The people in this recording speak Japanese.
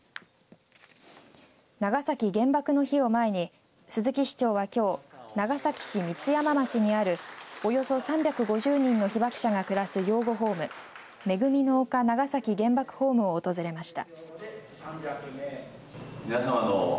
長崎原爆の日を前に鈴木市長はきょう長崎市三ツ山町にあるおよそ３５０人の被爆者が暮らす養護ホーム恵の丘長崎原爆ホームを訪れました。